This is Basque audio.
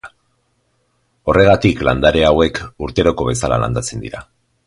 Horregatik landare hauek urteroko bezala landatzen dira.